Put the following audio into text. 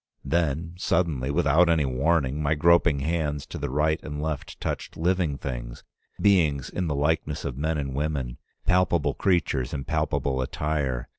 "Then suddenly, without any warning, my groping hands to the right and left touched living beings, beings in the likeness of men and women, palpable creatures in palpable attire.